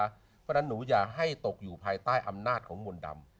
เพราะฉะนั้นหนูอย่าให้ตกอยู่ภายใต้อำนาจของมนต์ดำ